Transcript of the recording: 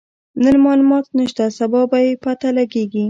نن مالومات نشته، سبا به يې پته لګيږي.